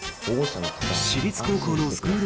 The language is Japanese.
私立高校のスクール